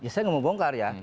saya mau bongkar ya